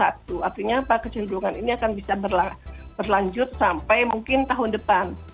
artinya apa kecenderungan ini akan bisa berlanjut sampai mungkin tahun depan